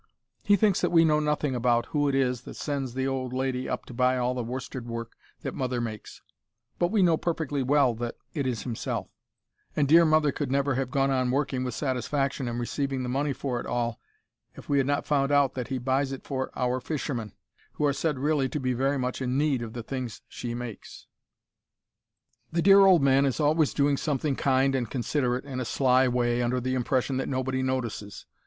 He thinks that we know nothing about who it is that sends the old lady to buy up all the worsted work that mother makes, but we know perfectly well that it is himself, and dear mother could never have gone on working with satisfaction and receiving the money for it all if we had not found out that he buys it for our fishermen, who are said really to be very much in need of the things she makes. "`The dear old man is always doing something kind and considerate in a sly way, under the impression that nobody notices.